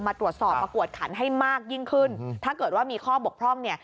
มาตรวจสอบมากวดขันให้มากยิ่งขึ้นถ้าเกิดว่ามีข้อบกพร่องเนี่ย